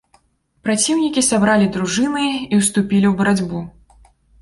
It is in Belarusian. Праціўнікі сабралі дружыны і ўступілі ў барацьбу.